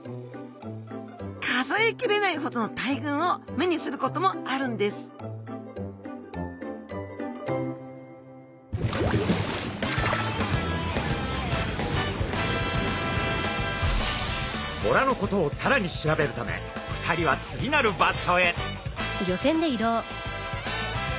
数え切れないほどの大群を目にすることもあるんですボラのことをさらに調べるため２人は次なる場所へ！